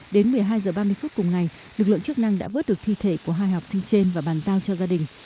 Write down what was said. đến một mươi hai h ba mươi phút cùng ngày lực lượng chức năng đã vớt được thi thể của hai học sinh trên và bàn giao cho gia đình